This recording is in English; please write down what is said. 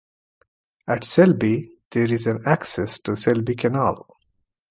At Selby there is access to the Selby Canal.